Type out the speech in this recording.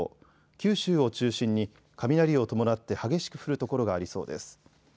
九州を中心に雷を伴って激しく降る所がありそうです。